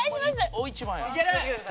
大一番や。